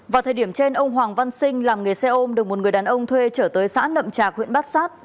vào thời điểm trên ông hoàng văn sinh làm nghề xe ôm được một người đàn ông thuê trở tới xã nậm trạc huyện bát sát